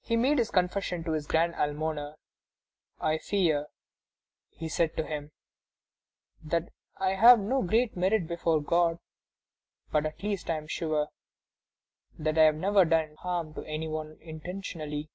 He made his confession to his grand almoner: "I fear," he said to him, "that I have no great merit before God, but at least I am sure that I have never done harm to any one intentionally."